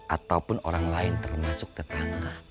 ataupun orang lain termasuk tetangga